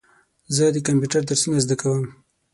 زه د کمپیوټر درسونه زده کوم.